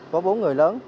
có bốn người lớn